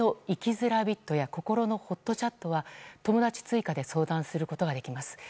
づらびっとやこころのほっとチャットは友達追加で相談することができます。